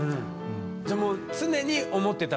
じゃあもう常に思ってたんだ。